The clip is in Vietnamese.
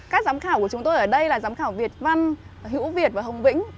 các giám khảo của chúng tôi ở đây là giám khảo việt văn hữu việt và hồng vĩnh